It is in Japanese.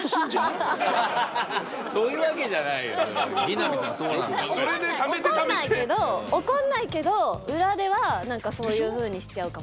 怒んないけど怒んないけど裏では何かそういうふうにしちゃうかも。